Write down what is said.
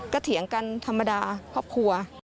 ก็เถียงกันธรรมดาครอบครัว